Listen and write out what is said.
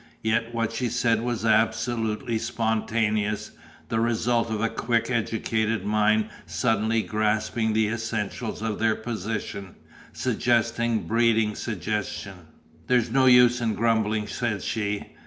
Yet what she said was absolutely spontaneous, the result of a quick, educated mind suddenly grasping the essentials of their position, suggestion breeding suggestion. "There's no use in grumbling," said she.